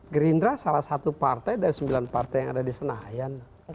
gerindra salah satu partai dari sembilan partai yang ada di senayan